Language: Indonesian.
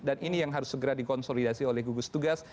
dan ini yang harus segera dikonsolidasi oleh gugus tugas